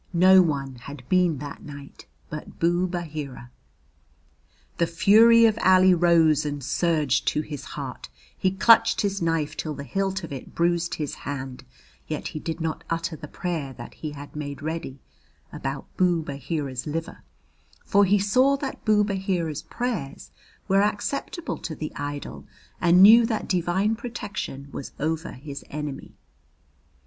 No one had been that night but Boob Aheera. The fury of Ali rose and surged to his heart, he clutched his knife till the hilt of it bruised his hand, yet he did not utter the prayer that he had made ready about Boob Aheera's liver, for he saw that Boob Aheera's prayers were acceptable to the idol and knew that divine protection was over his enemy.